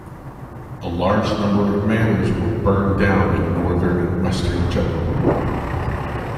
A large number of manors were burned down in northern and western Jutland.